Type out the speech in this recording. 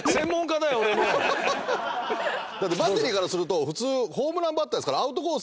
だってバッテリーからすると普通ホームランバッターですからアウトコース